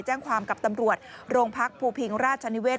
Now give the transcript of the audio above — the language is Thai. แจ้งความกับตำรวจโรงพักภูพิงราชนิเศษ